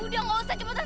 udah nggak usah cepetan